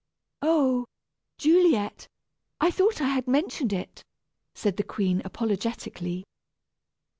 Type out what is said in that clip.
"Oh Juliet; I thought I had mentioned it," said the queen, apologetically.